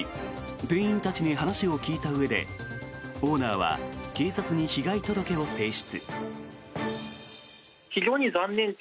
店員たちに話を聞いたうえでオーナーは警察に被害届を提出。